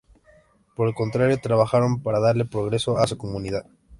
Por el contrario, trabajaron para darle progreso a su comunidad.